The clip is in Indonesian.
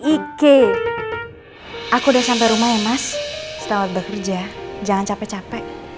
oke aku udah sampai rumah ya mas selamat bekerja jangan capek capek